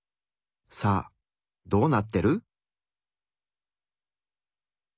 さあどうなってる？